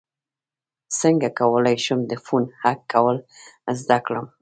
څنګه کولی شم د فون هک کول زده کړم